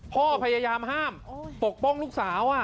พ่อพยายามห้ามปกป้องลูกสาว